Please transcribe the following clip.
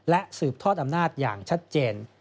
และสืบทอดอำนาจอย่างชัดเจน